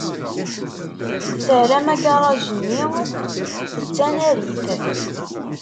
Terram agaṛaj-nni d tanarit.